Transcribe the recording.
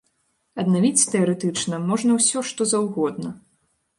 Аднавіць, тэарэтычна, можна ўсё, што заўгодна.